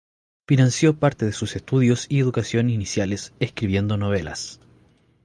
Financió parte sus estudios y educación iniciales escribiendo novelas.